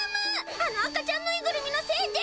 あの赤ちゃんぬいぐるみのせいで！